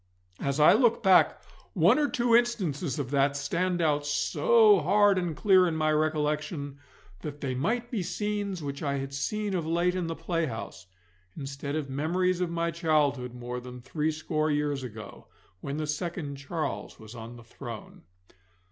As I look back, one or two instances of that stand out so hard and clear in my recollection that they might be scenes which I had seen of late in the playhouse, instead of memories of my childhood more than threescore years ago, when the second Charles was on the throne.